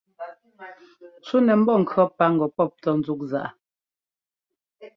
Cú nɛ mbɔ́ŋkʉɔ́ pá ŋgɔ pɔ́p tɔ́ ńzúk zaꞌa.